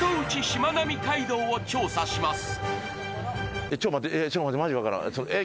しまなみ海道を調査します。